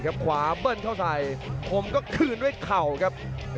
จิบลำตัวไล่แขนเสียบใน